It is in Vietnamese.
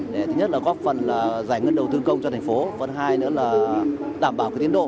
để thứ nhất là góp phần giải ngân đầu tư công cho thành phố phần hai nữa là đảm bảo tiến độ